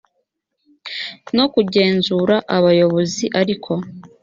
no kugenzura abayobozi ariko